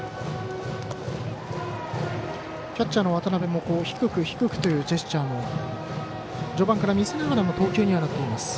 キャッチャーの渡辺も低く、低くというジェスチャーも序盤から見せながらの投球になっています。